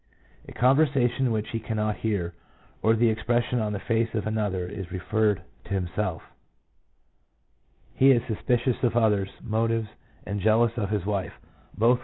A conversation which he cannot hear, or the expression on the face of another, is referred to himself. He is suspicious of others' motives, and jealous of his wife, both without cause. 1 R. C. Spitzka, Insanity ', p.